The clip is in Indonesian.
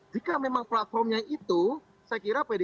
jika memang platformnya itu saya kira pdip